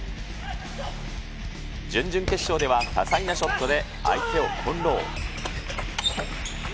準々決勝では多彩なショットで相手を翻弄。